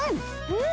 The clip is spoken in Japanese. うん！